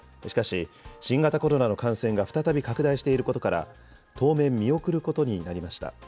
しかし、新型コロナの感染が再び拡大していることから、当面見送ることになりました。